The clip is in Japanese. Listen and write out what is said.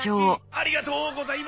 ありがとうございます。